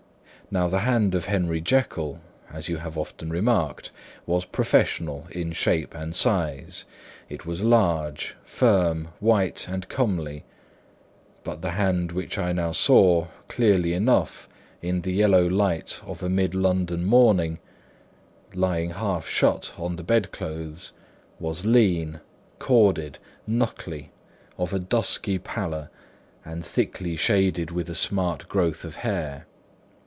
Now the hand of Henry Jekyll (as you have often remarked) was professional in shape and size; it was large, firm, white and comely. But the hand which I now saw, clearly enough, in the yellow light of a mid London morning, lying half shut on the bedclothes, was lean, corded, knuckly, of a dusky pallor and thickly shaded with a swart growth of hair.